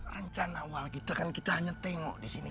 rencana awal kita kan kita hanya tengok disini